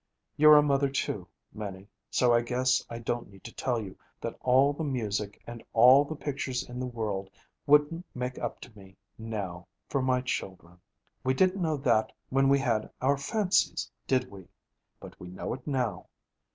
You're a mother, too, Minnie, so I guess I don't need to tell you that all the music and all the pictures in the world wouldn't make up to me, now, for my children. We didn't know that when we had our "fancies," did we? But we know it now.